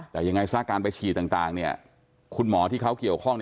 แต่ยังไงซะการไปฉีดต่างคุณหมอที่เขาเกี่ยวข้อง